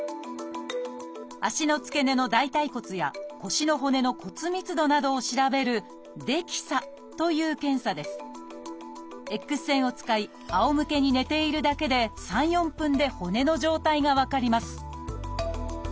足の付け根の大腿骨や腰の骨の骨密度などを調べるＸ線を使いあおむけに寝ているだけで３４分で骨の状態が分かります